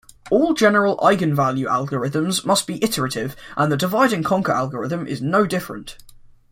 All general eigenvalue algorithms must be iterative, and the divide-and-conquer algorithm is no different.